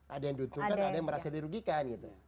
ada yang dituntut ada yang merasa dirugikan gitu